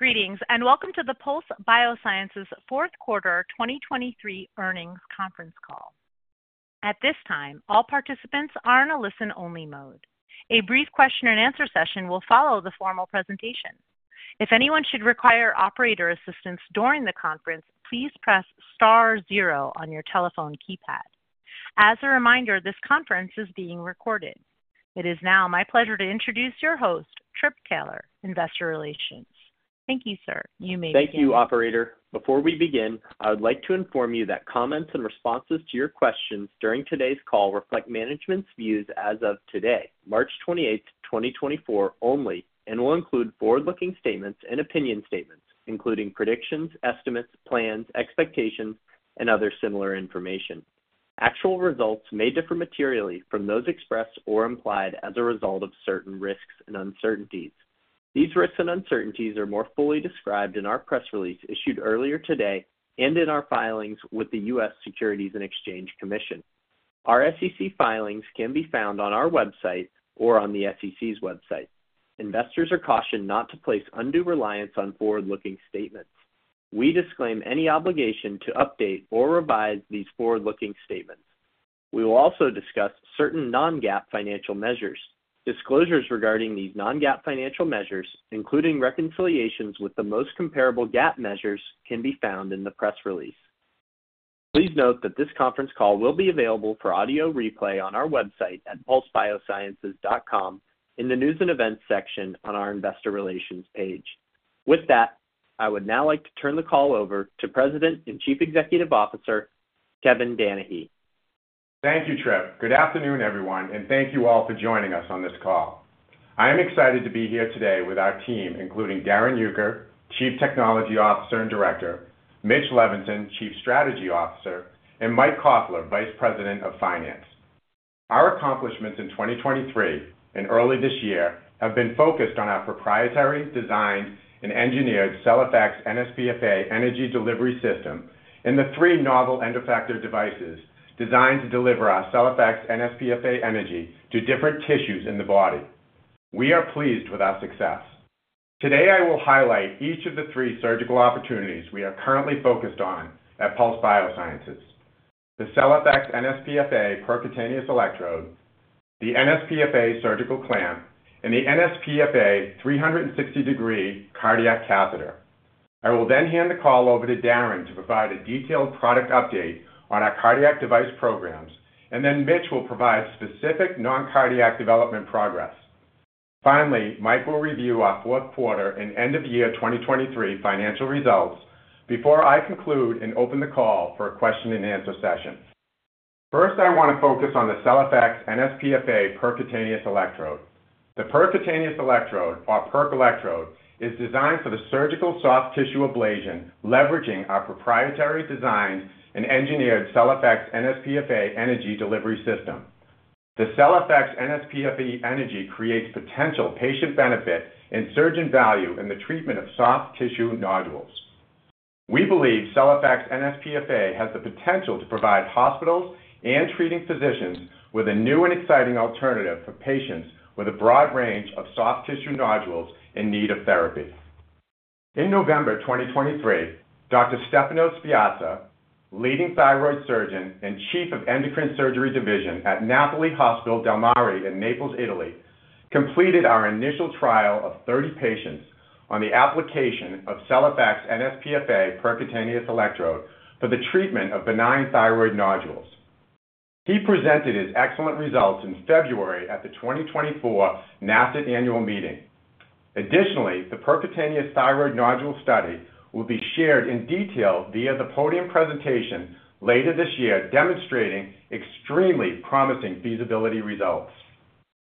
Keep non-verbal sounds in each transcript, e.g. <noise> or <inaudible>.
Greetings and welcome to the Pulse Biosciences fourth quarter 2023 earnings conference call. At this time, all participants are in a listen-only mode. A brief question-and-answer session will follow the formal presentation. If anyone should require operator assistance during the conference, please press star zero on your telephone keypad. As a reminder, this conference is being recorded. It is now my pleasure to introduce your host, Trip Taylor, Investor Relations. Thank you, sir. You may begin. Thank you, operator. Before we begin, I would like to inform you that comments and responses to your questions during today's call reflect management's views as of today, March 28, 2024 only, and will include forward-looking statements and opinion statements, including predictions, estimates, plans, expectations, and other similar information. Actual results may differ materially from those expressed or implied as a result of certain risks and uncertainties. These risks and uncertainties are more fully described in our press release issued earlier today and in our filings with the U.S. Securities and Exchange Commission. Our SEC filings can be found on our website or on the SEC's website. Investors are cautioned not to place undue reliance on forward-looking statements. We disclaim any obligation to update or revise these forward-looking statements. We will also discuss certain non-GAAP financial measures. Disclosures regarding these non-GAAP financial measures, including reconciliations with the most comparable GAAP measures, can be found in the press release. Please note that this conference call will be available for audio replay on our website at pulsebiosciences.com in the news and events section on our Investor Relations page. With that, I would now like to turn the call over to President and Chief Executive Officer Kevin Danahy. Thank you, Trip. Good afternoon, everyone, and thank you all for joining us on this call. I am excited to be here today with our team, including Darrin Uecker, Chief Technology Officer and Director, Mitch Levinson, Chief Strategy Officer, and Mike Kaufler, Vice President of Finance. Our accomplishments in 2023 and early this year have been focused on our proprietary, designed, and engineered CellFX nsPFA energy delivery system and the three novel end-effector devices designed to deliver our CellFX nsPFA energy to different tissues in the body. We are pleased with our success. Today, I will highlight each of the three surgical opportunities we are currently focused on at Pulse Biosciences: the CellFX nsPFA percutaneous electrode, the nsPFA surgical clamp, and the nsPFA 360-degree cardiac catheter. I will then hand the call over to Darrin to provide a detailed product update on our cardiac device programs, and then Mitch will provide specific non-cardiac development progress. Finally, Mike will review our fourth quarter and end-of-year 2023 financial results before I conclude and open the call for a question-and-answer session. First, I want to focus on the CellFX nsPFA percutaneous electrode. The percutaneous electrode, or Perc electrode, is designed for the surgical soft tissue ablation leveraging our proprietary, designed, and engineered CellFX nsPFA energy delivery system. The CellFX nsPFA energy creates potential patient benefit and surgeon value in the treatment of soft tissue nodules. We believe CellFX nsPFA has the potential to provide hospitals and treating physicians with a new and exciting alternative for patients with a broad range of soft tissue nodules in need of therapy. In November 2023, Dr. Stefano Spiezia, leading thyroid surgeon and Chief of Endocrine Surgery Division at Ospedale del Mare in Naples, Italy, completed our initial trial of 30 patients on the application of CellFX nsPFA percutaneous electrode for the treatment of benign thyroid nodules. He presented his excellent results in February at the 2024 NASIT annual meeting. Additionally, the percutaneous thyroid nodule study will be shared in detail via the podium presentation later this year, demonstrating extremely promising feasibility results.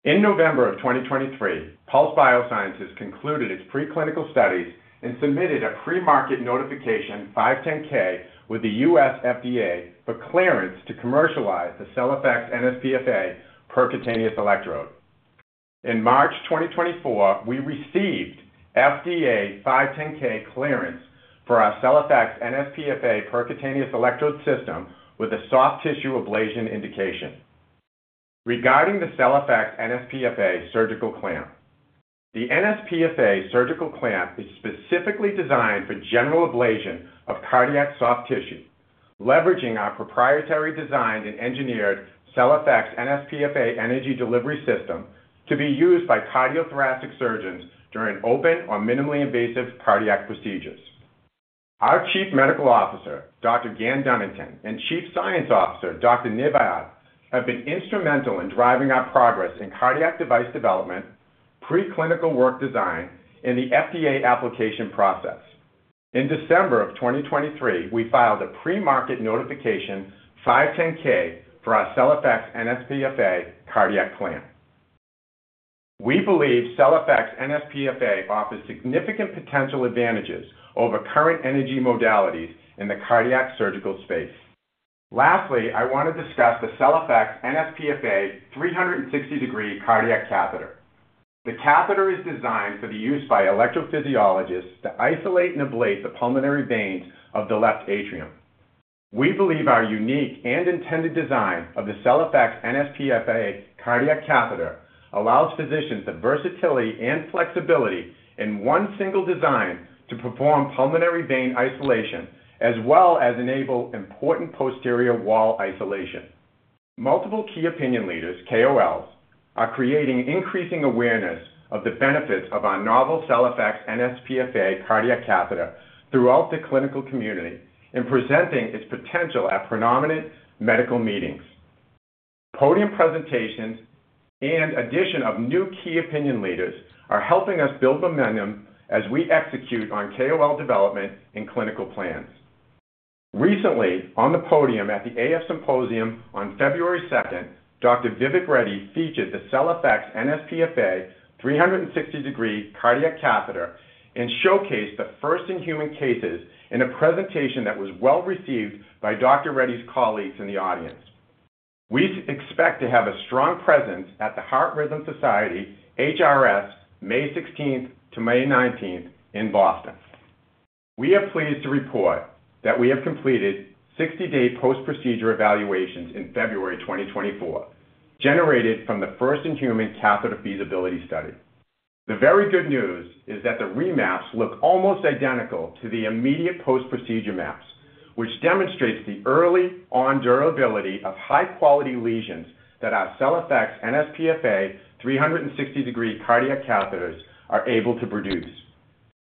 In November 2023, Pulse Biosciences concluded its preclinical studies and submitted a pre-market notification, 510(k), with the U.S. FDA for clearance to commercialize the CellFX nsPFA percutaneous electrode. In March 2024, we received FDA 510(k) clearance for our CellFX nsPFA percutaneous electrode system with a soft tissue ablation indication. Regarding the CellFX nsPFA surgical clamp, the nsPFA surgical clamp is specifically designed for general ablation of cardiac soft tissue, leveraging our proprietary, designed, and engineered CellFX nsPFA energy delivery system to be used by cardiothoracic surgeons during open or minimally invasive cardiac procedures. Our Chief Medical Officer, Dr. Gan Dunnington, and Chief Science Officer, Dr. Niv Ad, have been instrumental in driving our progress in cardiac device development, preclinical work design, and the FDA application process. In December 2023, we filed a pre-market notification, 510(k), for our CellFX nsPFA cardiac clamp. We believe CellFX nsPFA offers significant potential advantages over current energy modalities in the cardiac surgical space. Lastly, I want to discuss the CellFX nsPFA 360-degree cardiac catheter. The catheter is designed for the use by electrophysiologists to isolate and ablate the pulmonary veins of the left atrium. We believe our unique and intended design of the CellFX nsPFA cardiac catheter allows physicians the versatility and flexibility in one single design to perform pulmonary vein isolation as well as enable important posterior wall isolation. Multiple key opinion leaders, KOLs, are creating increasing awareness of the benefits of our novel CellFX nsPFA cardiac catheter throughout the clinical community and presenting its potential at prominent medical meetings. Podium presentations and addition of new key opinion leaders are helping us build momentum as we execute on KOL development and clinical plans. Recently, on the podium at the AF Symposium on February 2nd, Dr. Vivek Reddy featured the CellFX nsPFA 360-degree cardiac catheter and showcased the first-in-human cases in a presentation that was well received by Dr. Reddy's colleagues in the audience. We expect to have a strong presence at the Heart Rhythm Society, HRS, May 16th to May 19th in Boston. We are pleased to report that we have completed 60-day post-procedure evaluations in February 2024, generated from the first in human catheter feasibility study. The very good news is that the remaps look almost identical to the immediate post-procedure maps, which demonstrates the early on-durability of high-quality lesions that our CellFX nsPFA 360-degree cardiac catheters are able to produce.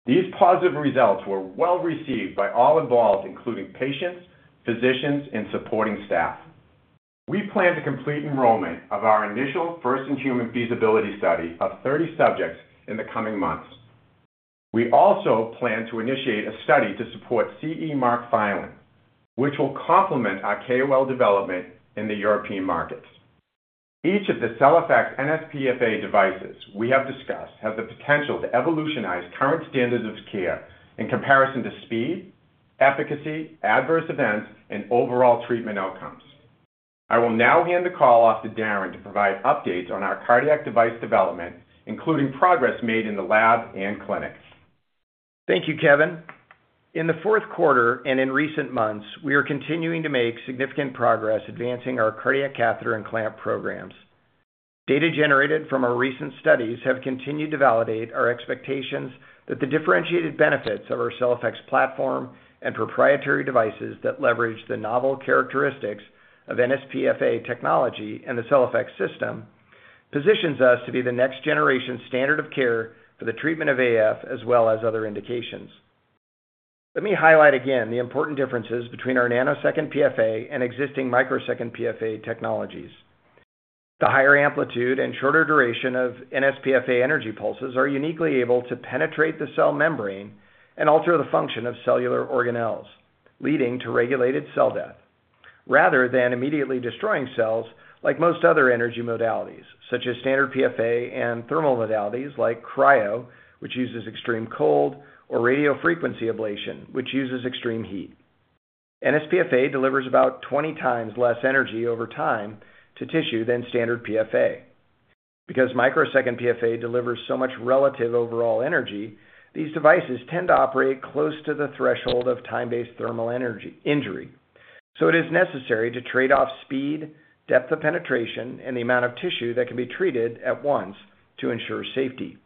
These positive results were well received by all involved, including patients, physicians, and supporting staff. We plan to complete enrollment of our initial first-in-human feasibility study of 30 subjects in the coming months. We also plan to initiate a study to support CE mark filing, which will complement our KOL development in the European markets. Each of the CellFX nsPFA devices we have discussed has the potential to revolutionize current standards of care in comparison to speed, efficacy, adverse events, and overall treatment outcomes. I will now hand the call off to Darrin to provide updates on our cardiac device development, including progress made in the lab and clinic. Thank you, Kevin. In the fourth quarter and in recent months, we are continuing to make significant progress advancing our cardiac catheter and clamp programs. Data generated from our recent studies have continued to validate our expectations that the differentiated benefits of our CellFX platform and proprietary devices that leverage the novel characteristics of nsPFA technology and the CellFX system positions us to be the next-generation standard of care for the treatment of AF as well as other indications. Let me highlight again the important differences between our nanosecond PFA and existing microsecond PFA technologies. The higher amplitude and shorter duration of nsPFA energy pulses are uniquely able to penetrate the cell membrane and alter the function of cellular organelles, leading to regulated cell death, rather than immediately destroying cells like most other energy modalities such as standard PFA and thermal modalities like cryo, which uses extreme cold, or radiofrequency ablation, which uses extreme heat. nsPFA delivers about 20 times less energy over time to tissue than standard PFA. Because microsecond PFA delivers so much relative overall energy, these devices tend to operate close to the threshold of time-based thermal injury. So it is necessary to trade off speed, depth of penetration, and the amount of tissue that can be treated at once to ensure safety.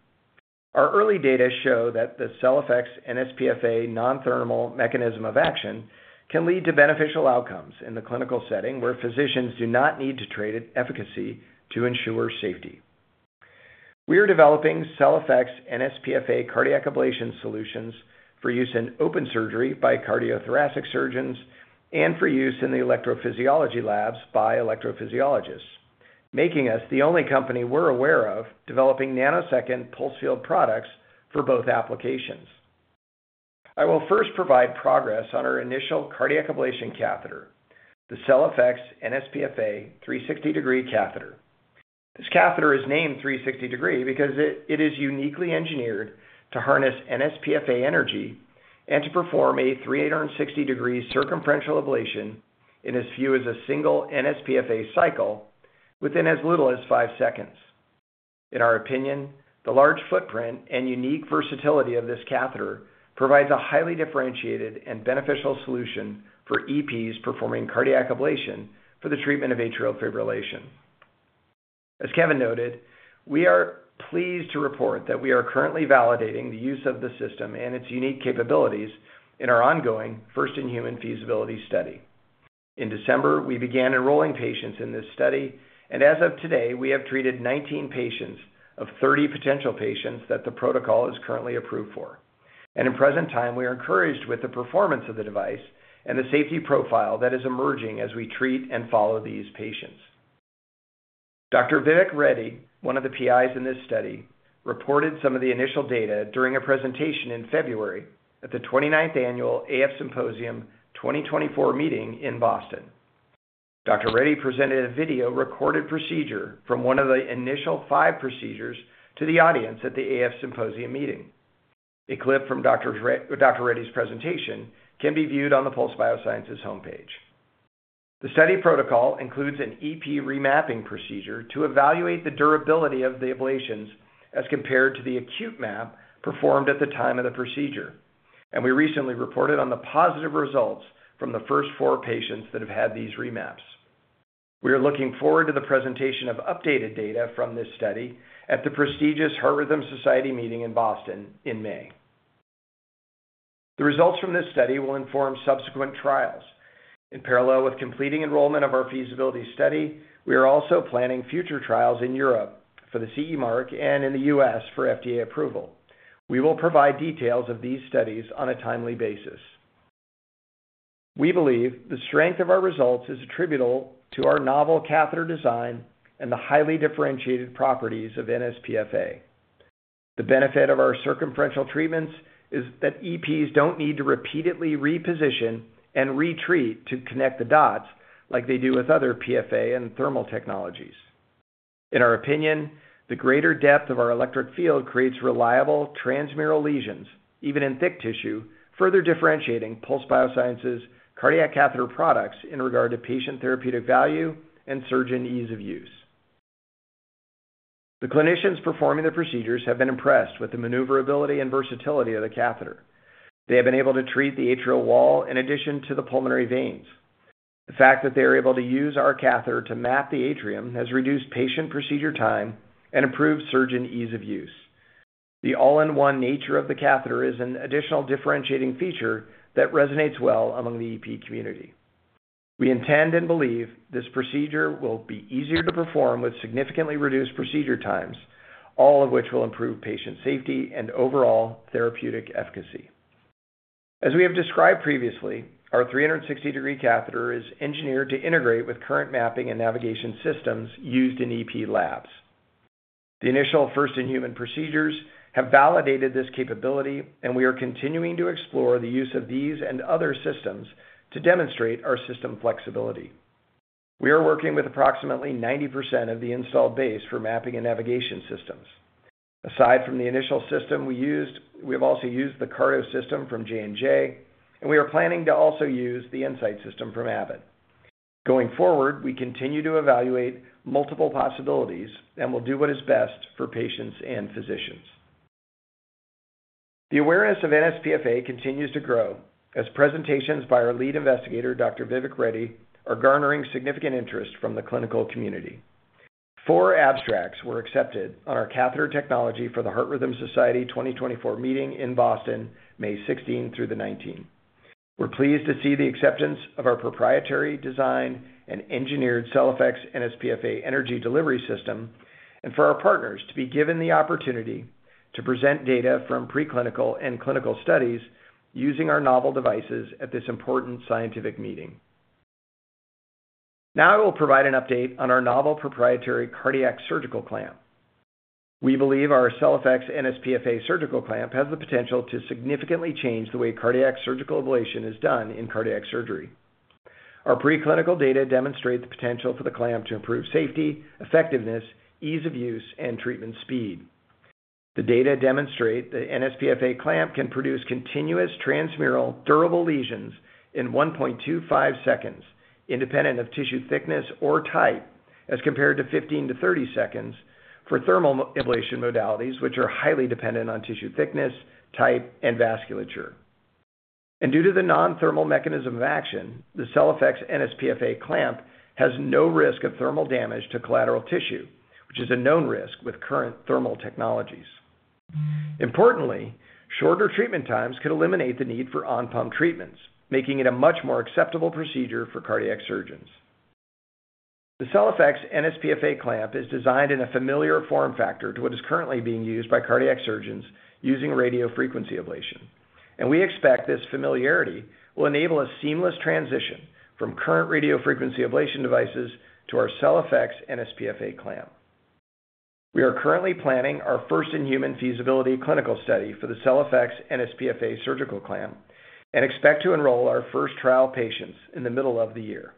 Our early data show that the CellFX nsPFA non-thermal mechanism of action can lead to beneficial outcomes in the clinical setting where physicians do not need to trade efficacy to ensure safety. We are developing CellFX nsPFA cardiac ablation solutions for use in open surgery by cardiothoracic surgeons and for use in the electrophysiology labs by electrophysiologists, making us the only company we're aware of developing nanosecond pulsed field products for both applications. I will first provide progress on our initial cardiac ablation catheter, the CellFX nsPFA 360-degree catheter. This catheter is named 360-degree because it is uniquely engineered to harness nsPFA energy and to perform a 360-degree circumferential ablation in as few as a single nsPFA cycle within as little as five seconds. In our opinion, the large footprint and unique versatility of this catheter provides a highly differentiated and beneficial solution for EPs performing cardiac ablation for the treatment of atrial fibrillation. As Kevin noted, we are pleased to report that we are currently validating the use of the system and its unique capabilities in our ongoing first-in-human feasibility study. In December, we began enrolling patients in this study, and as of today, we have treated 19 patients of 30 potential patients that the protocol is currently approved for. And in present time, we are encouraged with the performance of the device and the safety profile that is emerging as we treat and follow these patients. Dr. Vivek Reddy, one of the PIs in this study, reported some of the initial data during a presentation in February at the 29th annual AF Symposium 2024 meeting in Boston. Dr. Reddy presented a video recorded procedure from one of the initial five procedures to the audience at the AF Symposium meeting. A clip from Dr. Reddy's presentation can be viewed on the Pulse Biosciences homepage. The study protocol includes an EP remapping procedure to evaluate the durability of the ablations as compared to the acute map performed at the time of the procedure, and we recently reported on the positive results from the first four patients that have had these remaps. We are looking forward to the presentation of updated data from this study at the prestigious Heart Rhythm Society meeting in Boston in May. The results from this study will inform subsequent trials. In parallel with completing enrollment of our feasibility study, we are also planning future trials in Europe for the CE mark and in the U.S. for FDA approval. We will provide details of these studies on a timely basis. We believe the strength of our results is attributable to our novel catheter design and the highly differentiated properties of nsPFA. The benefit of our circumferential treatments is that EPs don't need to repeatedly reposition and retreat to connect the dots like they do with other PFA and thermal technologies. In our opinion, the greater depth of our electric field creates reliable transmural lesions, even in thick tissue, further differentiating Pulse Biosciences cardiac catheter products in regard to patient therapeutic value and surgeon ease of use. The clinicians performing the procedures have been impressed with the maneuverability and versatility of the catheter. They have been able to treat the atrial wall in addition to the pulmonary veins. The fact that they are able to use our catheter to map the atrium has reduced patient procedure time and improved surgeon ease of use. The all-in-one nature of the catheter is an additional differentiating feature that resonates well among the EP community. We intend and believe this procedure will be easier to perform with significantly reduced procedure times, all of which will improve patient safety and overall therapeutic efficacy. As we have described previously, our 360-degree catheter is engineered to integrate with current mapping and navigation systems used in EP labs. The initial first-in-human procedures have validated this capability, and we are continuing to explore the use of these and other systems to demonstrate our system flexibility. We are working with approximately 90% of the installed base for mapping and navigation systems. Aside from the initial system we used, we have also used the CARTO system from J&J, and we are planning to also use the EnSite system from Abbott. Going forward, we continue to evaluate multiple possibilities and will do what is best for patients and physicians. The awareness of nsPFA continues to grow as presentations by our lead investigator, Dr. Vivek Reddy, are garnering significant interest from the clinical community. Four abstracts were accepted on our catheter technology for the Heart Rhythm Society 2024 meeting in Boston, May 16th through the 19th. We're pleased to see the acceptance of our proprietary design and engineered CellFX nsPFA energy delivery system and for our partners to be given the opportunity to present data from preclinical and clinical studies using our novel devices at this important scientific meeting. Now I will provide an update on our novel proprietary cardiac surgical clamp. We believe our CellFX nsPFA surgical clamp has the potential to significantly change the way cardiac surgical ablation is done in cardiac surgery. Our preclinical data demonstrate the potential for the clamp to improve safety, effectiveness, ease of use, and treatment speed. The data demonstrate the nsPFA clamp can produce continuous transmural durable lesions in 1.25 seconds, independent of tissue thickness or type, as compared to 15-30 seconds for thermal ablation modalities, which are highly dependent on tissue thickness, type, and vasculature. Due to the non-thermal mechanism of action, the CellFX nsPFA clamp has no risk of thermal damage to collateral tissue, which is a known risk with current thermal technologies. Importantly, shorter treatment times could eliminate the need for on-pump treatments, making it a much more acceptable procedure for cardiac surgeons. The CellFX nsPFA clamp is designed in a familiar form factor to what is currently being used by cardiac surgeons using radiofrequency ablation, and we expect this familiarity will enable a seamless transition from current radiofrequency ablation devices to our CellFX nsPFA clamp. We are currently planning our first-in-human feasibility clinical study for the CellFX nsPFA surgical clamp and expect to enroll our first trial patients in the middle of the year.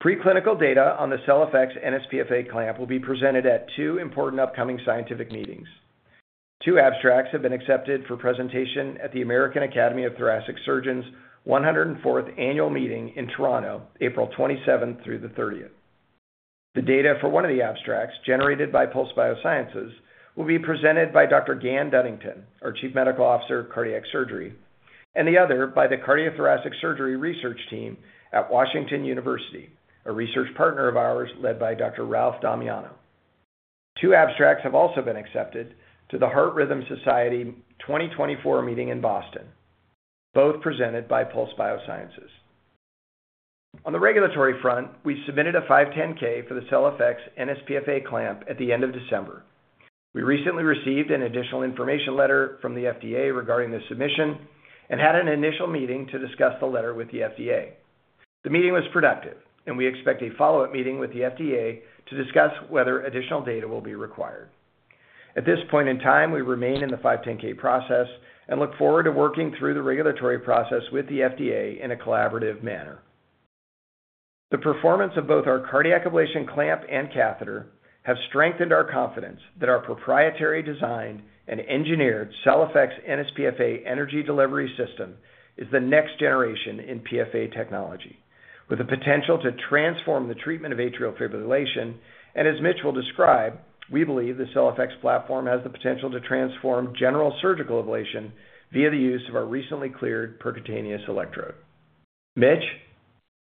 Pre-clinical data on the CellFX nsPFA clamp will be presented at two important upcoming scientific meetings. Two abstracts have been accepted for presentation at the American Association for Thoracic Surgery 104th annual meeting in Toronto, April 27th through the 30th. The data for one of the abstracts generated by Pulse Biosciences will be presented by Dr Gan Dunnington, our Chief Medical Officer, Cardiac Surgery, and the other by the Cardiothoracic Surgery Research Team at Washington University, a research partner of ours led by Dr. Ralph Damiano. Two abstracts have also been accepted to the Heart Rhythm Society 2024 meeting in Boston, both presented by Pulse Biosciences. On the regulatory front, we submitted a 510(k) for the CellFX nsPFA clamp at the end of December. We recently received an additional information letter from the FDA regarding the submission and had an initial meeting to discuss the letter with the FDA. The meeting was productive, and we expect a follow-up meeting with the FDA to discuss whether additional data will be required. At this point in time, we remain in the 510(k) process and look forward to working through the regulatory process with the FDA in a collaborative manner. The performance of both our cardiac ablation clamp and catheter have strengthened our confidence that our proprietary designed and engineered CellFX nsPFA energy delivery system is the next generation in PFA technology with the potential to transform the treatment of atrial fibrillation. As Mitch will describe, we believe the CellFX platform has the potential to transform general surgical ablation via the use of our recently cleared percutaneous electrode. Mitch.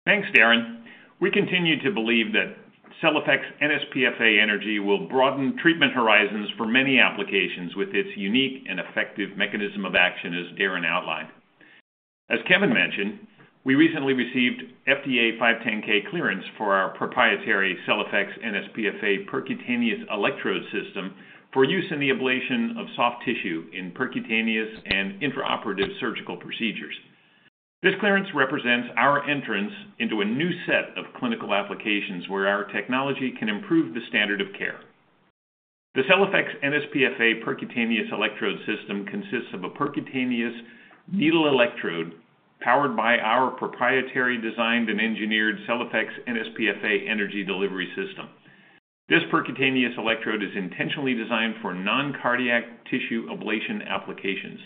Thanks, Darrin. We continue to believe that CellFX nsPFA energy will broaden treatment horizons for many applications with its unique and effective mechanism of action, as Darrin outlined. As Kevin mentioned, we recently received FDA 510(k) clearance for our proprietary CellFX nsPFA percutaneous electrode system for use in the ablation of soft tissue in percutaneous and intraoperative surgical procedures. This clearance represents our entrance into a new set of clinical applications where our technology can improve the standard of care. The CellFX nsPFA percutaneous electrode system consists of a percutaneous needle electrode powered by our proprietary designed and engineered CellFX nsPFA energy delivery system. This percutaneous electrode is intentionally designed for non-cardiac tissue ablation applications.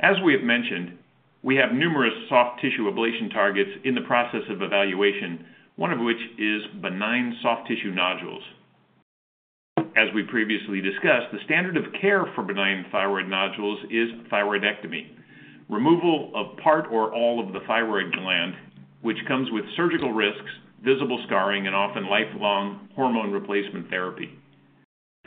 As we have mentioned, we have numerous soft tissue ablation targets in the process of evaluation, one of which is benign soft tissue nodules. As we previously discussed, the standard of care for benign thyroid nodules is thyroidectomy, removal of part or all of the thyroid gland, which comes with surgical risks, visible scarring, and often lifelong hormone replacement therapy.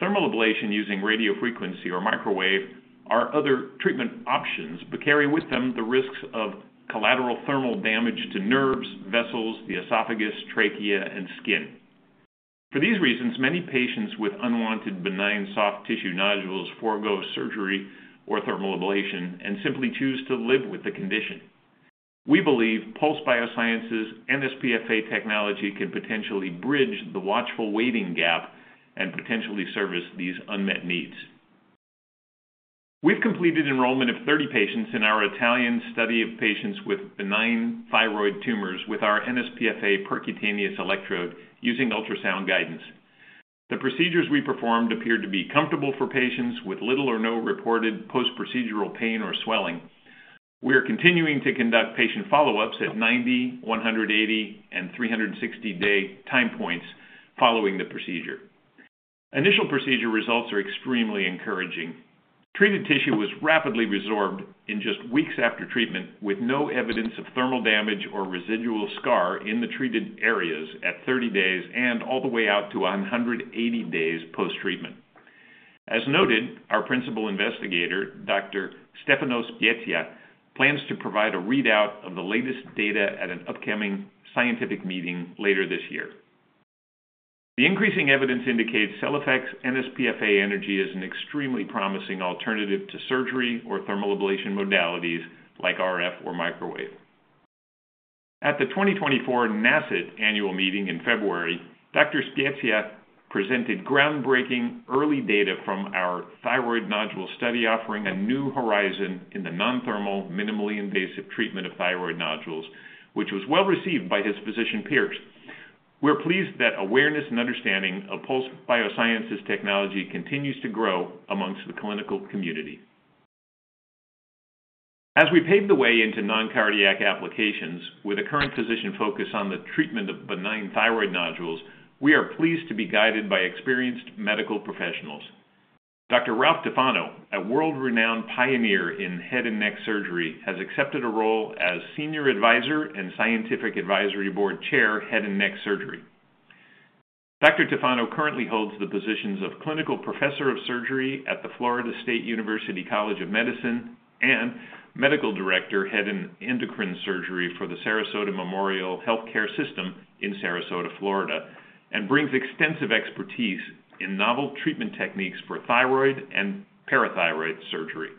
Thermal ablation using radiofrequency or microwave are other treatment options but carry with them the risks of collateral thermal damage to nerves, vessels, the esophagus, trachea, and skin. For these reasons, many patients with unwanted benign soft tissue nodules forgo surgery or thermal ablation and simply choose to live with the condition. We believe Pulse Biosciences nsPFA technology can potentially bridge the watchful waiting gap and potentially service these unmet needs. We've completed enrollment of 30 patients in our Italian study of patients with benign thyroid tumors with our nsPFA percutaneous electrode using ultrasound guidance. The procedures we performed appear to be comfortable for patients with little or no reported post-procedural pain or swelling. We are continuing to conduct patient follow-ups at 90, 180, and 360-day time points following the procedure. Initial procedure results are extremely encouraging. Treated tissue was rapidly resorbed in just weeks after treatment with no evidence of thermal damage or residual scar in the treated areas at 30 days and all the way out to 180 days post-treatment. As noted, our principal investigator, Dr. Stefano Spiezia, plans to provide a readout of the latest data at an upcoming scientific meeting later this year. The increasing evidence indicates CellFX nsPFA energy is an extremely promising alternative to surgery or thermal ablation modalities like RF or microwave. At the 2024 NASIT annual meeting in February, Dr. Spiezia presented groundbreaking early data from our thyroid nodule study offering a new horizon in the non-thermal, minimally invasive treatment of thyroid nodules, which was well received by his physician peers. We're pleased that awareness and understanding of Pulse Biosciences technology continues to grow among the clinical community. As we pave the way into non-cardiac applications with a current physician focus on the treatment of benign thyroid nodules, we are pleased to be guided by experienced medical professionals. Dr. Ralph Tufano, a world-renowned pioneer in head and neck surgery, has accepted a role as Senior Advisor and Scientific Advisory Board Chair, Head and Neck Surgery. Dr. Tufano currently holds the positions of Clinical Professor of Surgery at the Florida State University College of Medicine and Medical Director, Head and Endocrine Surgery for the Sarasota Memorial Health Care System in Sarasota, Florida, and brings extensive expertise in novel treatment techniques for thyroid and parathyroid surgery.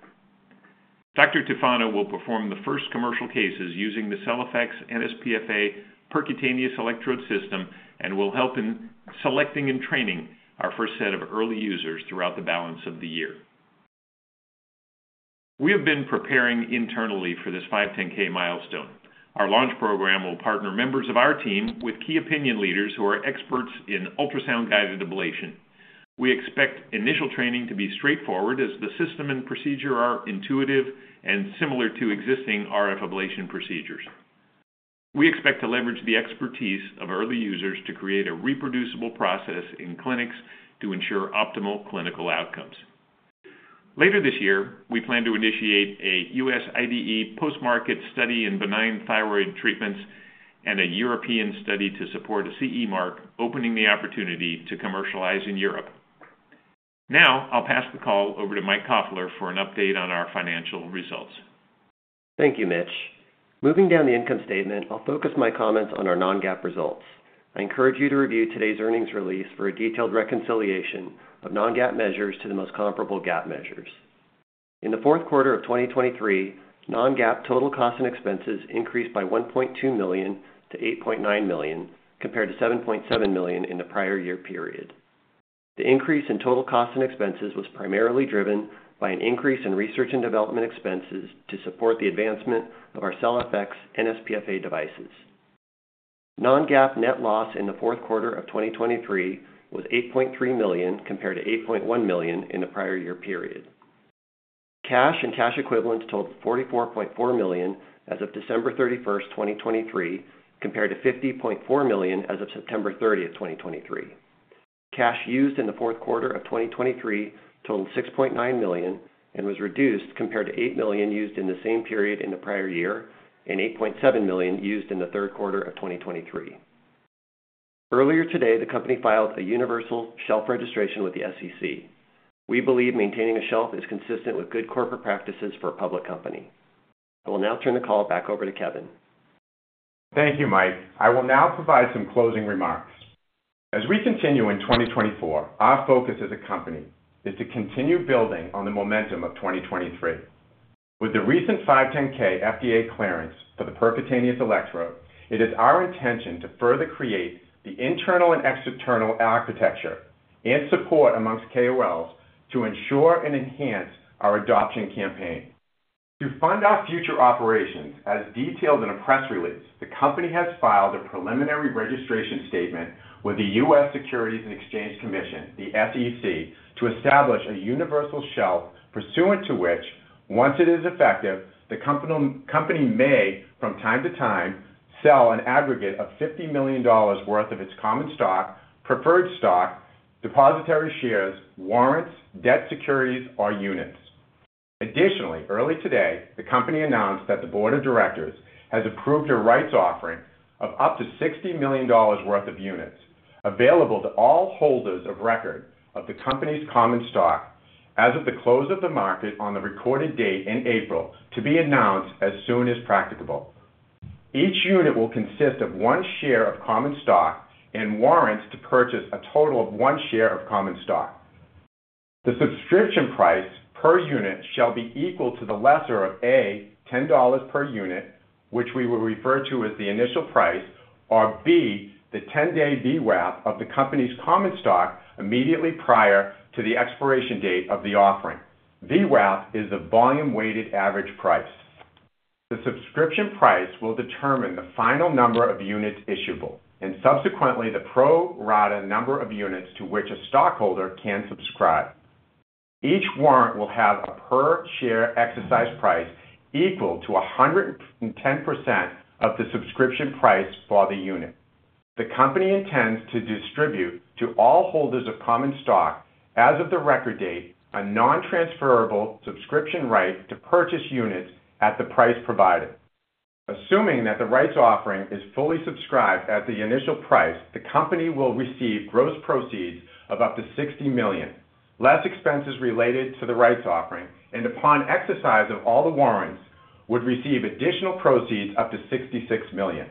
Dr. Tufano will perform the first commercial cases using the CellFX nsPFA percutaneous electrode system and will help in selecting and training our first set of early users throughout the balance of the year. We have been preparing internally for this 510(k) milestone. Our launch program will partner members of our team with key opinion leaders who are experts in ultrasound-guided ablation. We expect initial training to be straightforward as the system and procedure are intuitive and similar to existing RF ablation procedures. We expect to leverage the expertise of early users to create a reproducible process in clinics to ensure optimal clinical outcomes. Later this year, we plan to initiate a U.S. IDE post-market study in benign thyroid treatments and a European study to support a CE mark, opening the opportunity to commercialize in Europe. Now I'll pass the call over to Mike Kaufler for an update on our financial results. Thank you, Mitch. Moving down the income statement, I'll focus my comments on our non-GAAP results. I encourage you to review today's earnings release for a detailed reconciliation of non-GAAP measures to the most comparable GAAP measures. In the fourth quarter of 2023, non-GAAP total costs and expenses increased by $1.2 million to $8.9 million compared to $7.7 million in the prior year period. The increase in total costs and expenses was primarily driven by an increase in research and development expenses to support the advancement of our CellFX nsPFA devices. Non-GAAP net loss in the fourth quarter of 2023 was $8.3 million compared to $8.1 million in the prior year period. Cash and cash equivalents totaled $44.4 million as of December 31st, 2023, compared to $50.4 million as of September 30th, 2023. Cash used in the fourth quarter of 2023 totaled $6.9 million and was reduced compared to $8 million used in the same period in the prior year and $8.7 million used in the third quarter of 2023. Earlier today, the company filed a Universal Shelf Registration with the SEC. We believe maintaining a shelf is consistent with good corporate practices for a public company. I will now turn the call back over to Kevin. Thank you, Mike. I will now provide some closing remarks. As we continue in 2024, our focus as a company is to continue building on the momentum of 2023. With the recent 510(k) FDA clearance for the percutaneous electrode, it is our intention to further create the internal and external architecture and support amongst KOLs to ensure and enhance our adoption campaign. To fund our future operations, as detailed in a press release, the company has filed a preliminary registration statement with the U.S. Securities and Exchange Commission, the SEC, to establish a universal shelf pursuant to which, once it is effective, the company may, from time to time, sell an aggregate of $50 million worth of its common stock, preferred stock, depository shares, warrants, debt securities, or units. Additionally, early today, the company announced that the board of directors has approved a rights offering of up to $60 million worth of units available to all holders of record of the company's common stock as of the close of the market on the record date in April to be announced as soon as practicable. Each unit will consist of one share of common stock and warrants to purchase a total of one share of common stock. The subscription price per unit shall be equal to the lesser of A, $10 per unit, which we will refer to as the initial price, or B, the 10-day VWAP of the company's common stock immediately prior to the expiration date of the offering. VWAP is the volume-weighted average price. The subscription price will determine the final number of units issuable and subsequently the pro-rata number of units to which a stockholder can subscribe. Each warrant will have a per-share exercise price equal to 110% of the subscription price for the unit. The company intends to distribute to all holders of common stock as of the record date a non-transferable subscription right to purchase units at the price provided. Assuming that the rights offering is fully subscribed at the initial price, the company will receive gross proceeds of up to $60 million, less expenses related to the rights offering, and upon exercise of all the warrants would receive additional proceeds up to $66 million.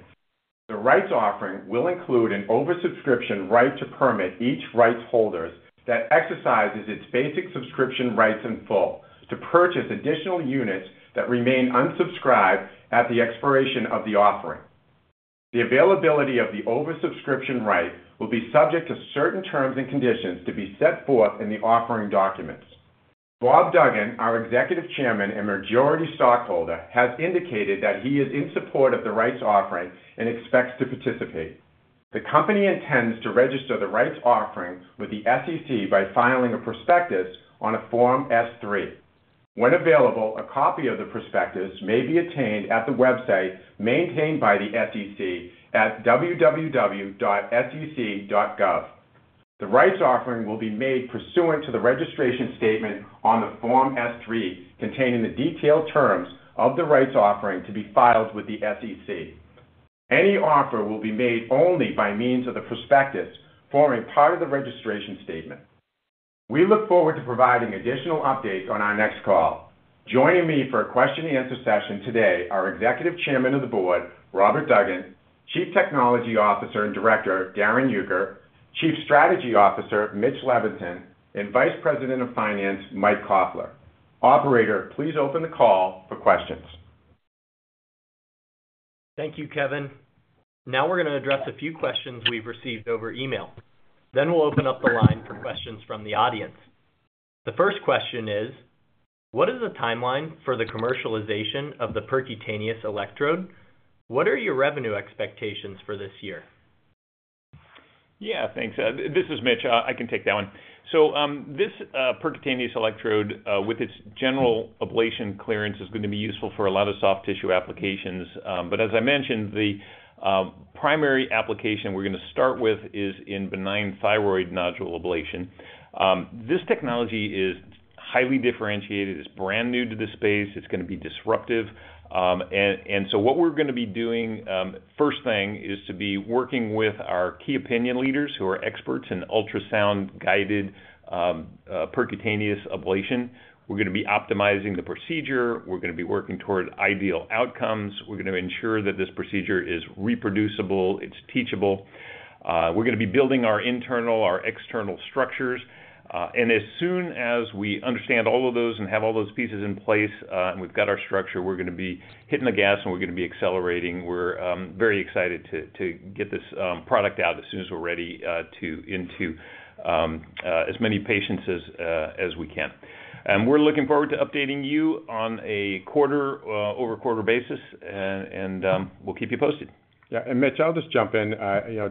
The rights offering will include an oversubscription right to permit each rights holder that exercises its basic subscription rights in full to purchase additional units that remain unsubscribed at the expiration of the offering. The availability of the oversubscription right will be subject to certain terms and conditions to be set forth in the offering documents. Bob Duggan, our Executive Chairman and majority stockholder, has indicated that he is in support of the rights offering and expects to participate. The company intends to register the rights offering with the SEC by filing a prospectus on a Form S-3. When available, a copy of the prospectus may be obtained at the website maintained by the SEC at www.sec.gov. The rights offering will be made pursuant to the registration statement on the Form S-3 containing the detailed terms of the rights offering to be filed with the SEC. Any offer will be made only by means of the prospectus forming part of the registration statement. We look forward to providing additional updates on our next call. Joining me for a question-and-answer session today, our Executive Chairman of the Board, Robert Duggan, Chief Technology Officer and Director, Darrin Uecker, Chief Strategy Officer, Mitch Levinson, and Vice President of Finance, Mike Kaufler. Operator, please open the call for questions. Thank you, Kevin. Now we're going to address a few questions we've received over email. Then we'll open up the line for questions from the audience. The first question is, "What is the timeline for the commercialization of the percutaneous electrode? What are your revenue expectations for this year? Yeah, thanks. This is Mitch. I can take that one. So this percutaneous electrode, with its general ablation clearance, is going to be useful for a lot of soft tissue applications. But as I mentioned, the primary application we're going to start with is in benign thyroid nodule ablation. This technology is highly differentiated. It's brand new to the space. It's going to be disruptive. And so what we're going to be doing, first thing, is to be working with our key opinion leaders who are experts in ultrasound-guided percutaneous ablation. We're going to be optimizing the procedure. We're going to be working toward ideal outcomes. We're going to ensure that this procedure is reproducible. It's teachable. We're going to be building our internal, our external structures. As soon as we understand all of those and have all those pieces in place and we've got our structure, we're going to be hitting the gas and we're going to be accelerating. We're very excited to get this product out as soon as we're ready to into as many patients as we can. We're looking forward to updating you on a quarter-over-quarter basis. We'll keep you posted. Yeah. And Mitch, I'll just jump in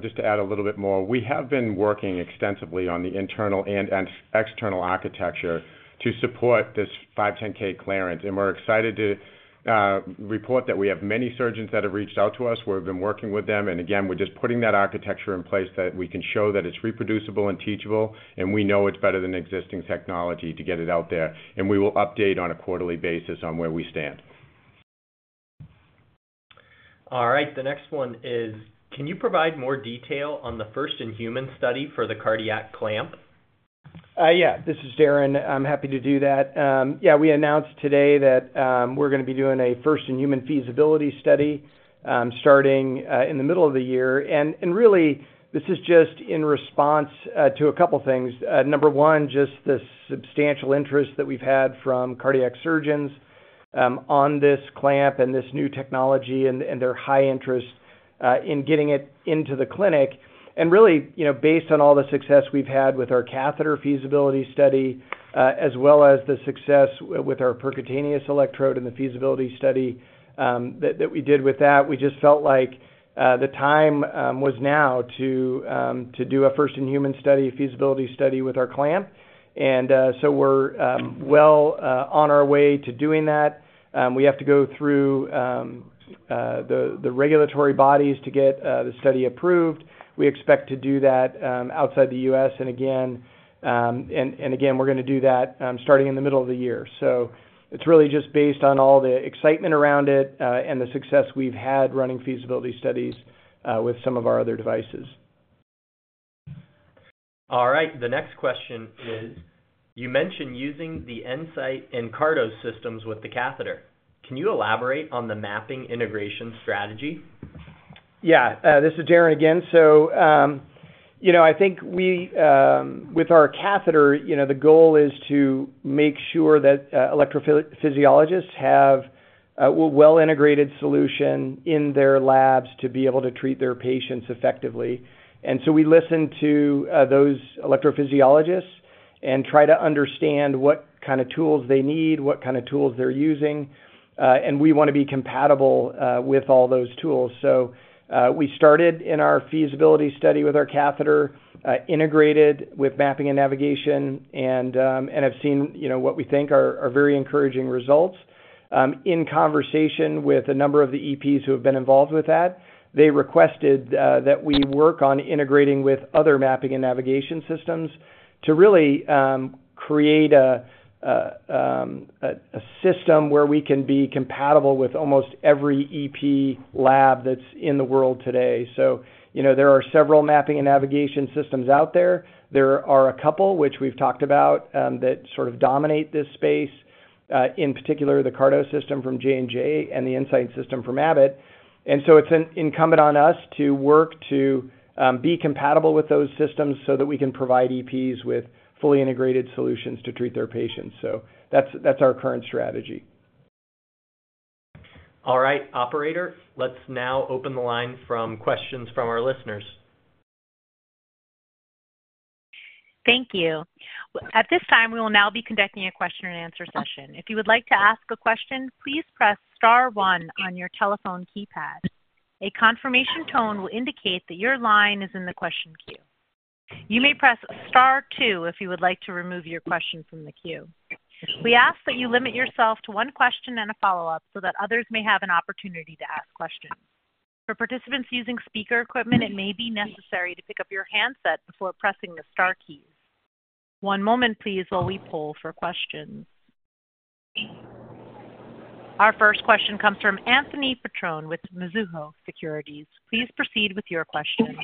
just to add a little bit more. We have been working extensively on the internal and external architecture to support this 510(k) clearance. And we're excited to report that we have many surgeons that have reached out to us. We've been working with them. And again, we're just putting that architecture in place that we can show that it's reproducible and teachable. And we know it's better than existing technology to get it out there. And we will update on a quarterly basis on where we stand. All right. The next one is, "Can you provide more detail on the first-in-human study for the cardiac clamp? Yeah. This is Darrin. I'm happy to do that. Yeah, we announced today that we're going to be doing a first-in-human feasibility study starting in the middle of the year. And really, this is just in response to a couple of things. Number one, just the substantial interest that we've had from cardiac surgeons on this clamp and this new technology and their high interest in getting it into the clinic. And really, based on all the success we've had with our catheter feasibility study as well as the success with our percutaneous electrode and the feasibility study that we did with that, we just felt like the time was now to do a first-in-human feasibility study with our clamp. And so we're well on our way to doing that. We have to go through the regulatory bodies to get the study approved. We expect to do that outside the U.S. Again, we're going to do that starting in the middle of the year. It's really just based on all the excitement around it and the success we've had running feasibility studies with some of our other devices. All right. The next question is, "You mentioned using the EnSite and CARTO systems with the catheter. Can you elaborate on the mapping integration strategy? Yeah. This is Darrin again. So I think with our catheter, the goal is to make sure that electrophysiologists have a well-integrated solution in their labs to be able to treat their patients effectively. And so we listen to those electrophysiologists and try to understand what kind of tools they need, what kind of tools they're using. And we want to be compatible with all those tools. So we started in our feasibility study with our catheter, integrated with mapping and navigation, and have seen what we think are very encouraging results. In conversation with a number of the EPs who have been involved with that, they requested that we work on integrating with other mapping and navigation systems to really create a system where we can be compatible with almost every EP lab that's in the world today. So there are several mapping and navigation systems out there. There are a couple, which we've talked about, that sort of dominate this space, in particular, the CARTO system from J&J and the EnSite system from Abbott. And so it's incumbent on us to work to be compatible with those systems so that we can provide EPs with fully integrated solutions to treat their patients. So that's our current strategy. All right. Operator, let's now open the line for questions from our listeners. Thank you. At this time, we will now be conducting a question-and-answer session. If you would like to ask a question, please press star one on your telephone keypad. A confirmation tone will indicate that your line is in the question queue. You may press star two if you would like to remove your question from the queue. We ask that you limit yourself to one question and a follow-up so that others may have an opportunity to ask questions. For participants using speaker equipment, it may be necessary to pick up your handset before pressing the star keys. One moment, please, while we pull for questions. Our first question comes from Anthony Petrone with Mizuho Securities. Please proceed with your question.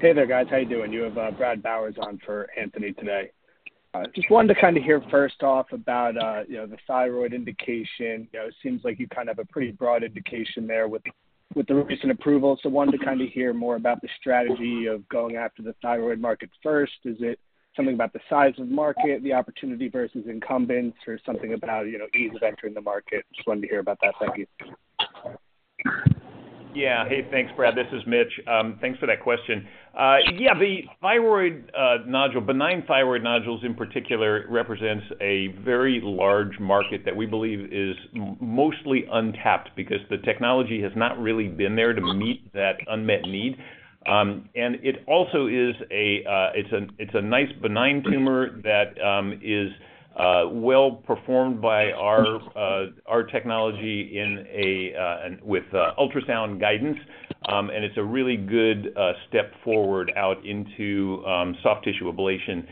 Hey there, guys. How you doing? You have Brad Bowers on for Anthony today. Just wanted to kind of hear first off about the thyroid indication. It seems like you kind of have a pretty broad indication there with the recent approval. So wanted to kind of hear more about the strategy of going after the thyroid market first. Is it something about the size of the market, the opportunity versus incumbents, or something about ease of entering the market? Just wanted to hear about that. Thank you. Yeah. Hey, thanks, Brad. This is Mitch. Thanks for that question. Yeah, the benign thyroid nodules, in particular, represents a very large market that we believe is mostly untapped because the technology has not really been there to meet that unmet need. And it also is a nice benign tumor that is well performed by our technology with ultrasound guidance. And it's a really good step forward out into soft tissue ablation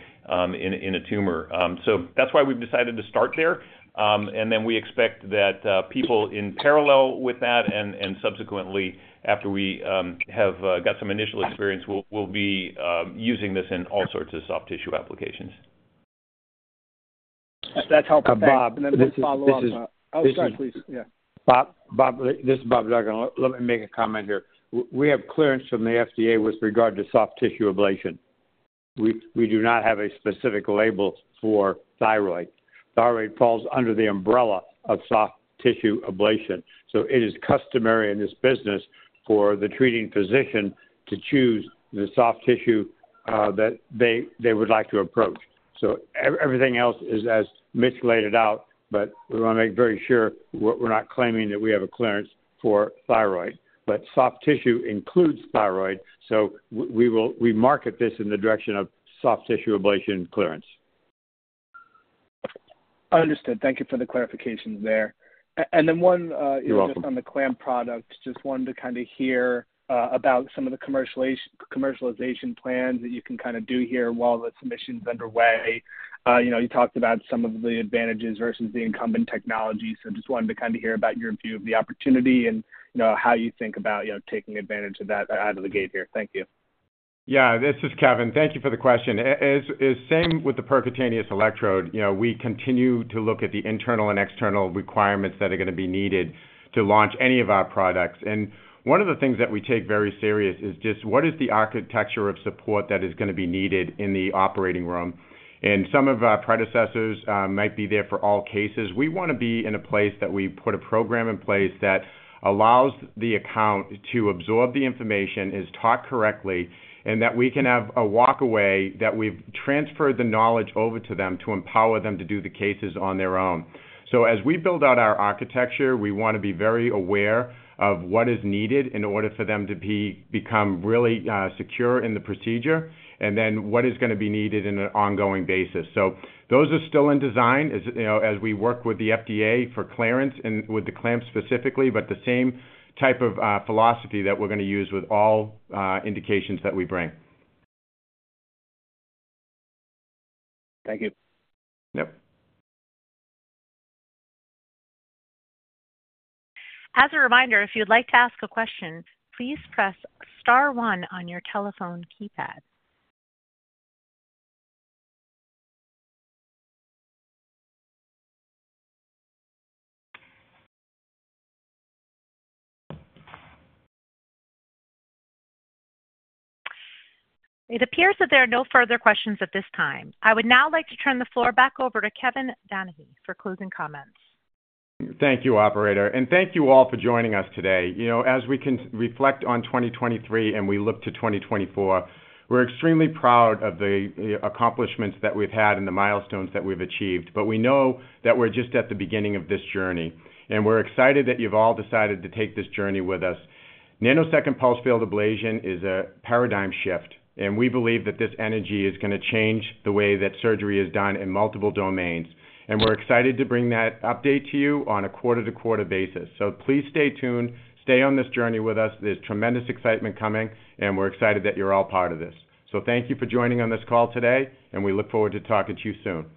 in a tumor. So that's why we've decided to start there. And then we expect that people in parallel with that and subsequently, after we have got some initial experience, will be using this in all sorts of soft tissue applications. <crosstalk> Oh, sorry, please. Yeah. This is Bob Duggan. Let me make a comment here. We have clearance from the FDA with regard to soft tissue ablation. We do not have a specific label for thyroid. Thyroid falls under the umbrella of soft tissue ablation. So it is customary in this business for the treating physician to choose the soft tissue that they would like to approach. So everything else is, as Mitch laid it out, but we want to make very sure we're not claiming that we have a clearance for thyroid. But soft tissue includes thyroid. So we market this in the direction of soft tissue ablation clearance. Understood. Thank you for the clarifications there. And then one. You're welcome. Just on the clamp product, just wanted to kind of hear about some of the commercialization plans that you can kind of do here while the submission's underway. You talked about some of the advantages versus the incumbent technology. So just wanted to kind of hear about your view of the opportunity and how you think about taking advantage of that out of the gate here. Thank you. Yeah. This is Kevin. Thank you for the question. Same with the percutaneous electrode. We continue to look at the internal and external requirements that are going to be needed to launch any of our products. And one of the things that we take very serious is just what is the architecture of support that is going to be needed in the operating room? And some of our predecessors might be there for all cases. We want to be in a place that we put a program in place that allows the account to absorb the information, is taught correctly, and that we can have a walk away that we've transferred the knowledge over to them to empower them to do the cases on their own. So as we build out our architecture, we want to be very aware of what is needed in order for them to become really secure in the procedure and then what is going to be needed on an ongoing basis. So those are still in design as we work with the FDA for clearance with the clamp specifically, but the same type of philosophy that we're going to use with all indications that we bring. Thank you. Yep. As a reminder, if you'd like to ask a question, please press star one on your telephone keypad. It appears that there are no further questions at this time. I would now like to turn the floor back over to Kevin Danahy for closing comments. Thank you, Operator. Thank you all for joining us today. As we reflect on 2023 and we look to 2024, we're extremely proud of the accomplishments that we've had and the milestones that we've achieved. We know that we're just at the beginning of this journey. We're excited that you've all decided to take this journey with us. Nanosecond pulse field ablation is a paradigm shift. We believe that this energy is going to change the way that surgery is done in multiple domains. We're excited to bring that update to you on a quarter-to-quarter basis. Please stay tuned. Stay on this journey with us. There's tremendous excitement coming. We're excited that you're all part of this. Thank you for joining on this call today. We look forward to talking to you soon.